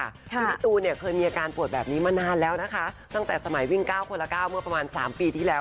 คือพี่ตูนเนี่ยเคยมีอาการปวดแบบนี้มานานแล้วนะคะตั้งแต่สมัยวิ่ง๙คนละ๙เมื่อประมาณ๓ปีที่แล้ว